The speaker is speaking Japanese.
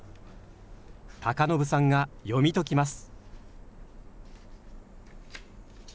高信さんが読み解きます。